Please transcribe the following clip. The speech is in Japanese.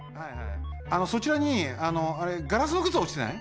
そちらにあのあれガラスのくつおちてない？